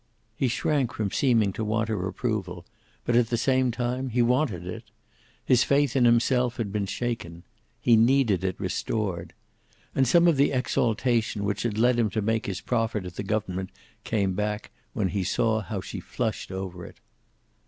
He shrank from seeming to want her approval, but at the same time he wanted it. His faith in himself had been shaken. He needed it restored. And some of the exaltation which had led him to make his proffer to the government came back when he saw how she flushed over it.